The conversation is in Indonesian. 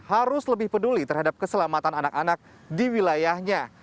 harus lebih peduli terhadap keselamatan anak anak di wilayahnya